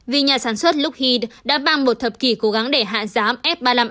vì nhà sản xuất luke heath đã băng một thập kỷ cố gắng để hạ giám f ba mươi năm a